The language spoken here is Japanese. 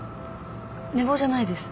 寝坊じゃないです。